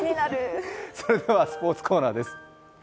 それではスポーツコーナーです。